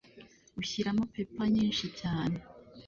Ushyiramo pepper nyinshi cyane.